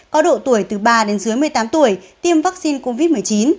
có độ tuổi từ ba đến dưới một mươi tám tuổi tiêm vaccine covid một mươi chín